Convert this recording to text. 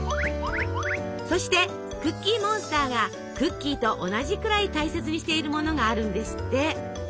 そしてクッキーモンスターがクッキーと同じくらい大切にしているものがあるんですって！